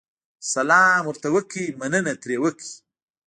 سلام ورته وکړئ، مننه ترې وکړئ.